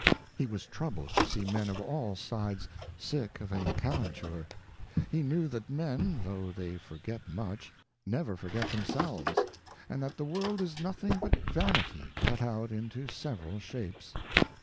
He was troubled to see men of all sides sick of a calenture. He knew that men, though they forget much, never forget themselves ; and that the World is nothing but Vanity cut out into several shapes.